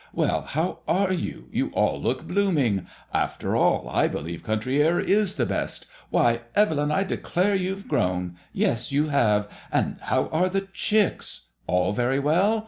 Well, how are you? You all look blooming. After all, I believe country air is the best. Why, Evelyn, I declare youVe grown. Yes, you have. And how are the chicks? All very well?